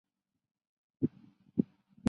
查尔村东部有嚓尔河。